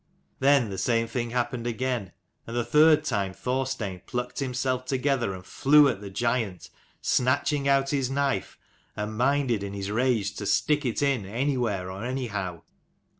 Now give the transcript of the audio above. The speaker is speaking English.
Then the same thing happened again; and the third time Thorstein plucked himself together and flew at the giant, snatching out his knife, and minded in his rage to stick it in anywhere or anyhow.